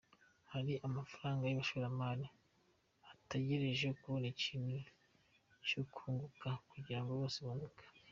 Hari amafaranga y’abashoramari ategereje kubona ikintu cyakunguka kugirango bose bunguke.